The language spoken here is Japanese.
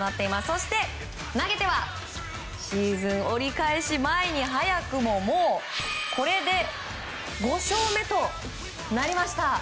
そして、投げてはシーズン折り返し前に早くももうこれで５勝目となりました。